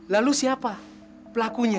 lalu siapa pelakunya